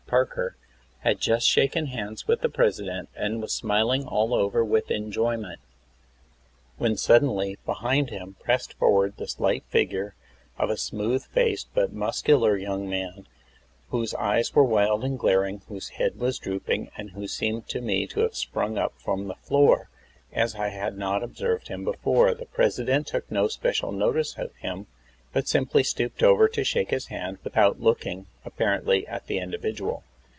Parker, had just shaken hands with the President and was smiling all oveir with enjoyment, when suddenly, behind him, pressed forward the slight figure of a smooth faced but muscular young man, whose eyes were wild and glaring, whose head was drooping, and who seemed to me to have sprung up from the floor, as I had not observed him before. The President took no special notice of him, but simply stooped over to shake his hand, without looking, apparently, at the individual.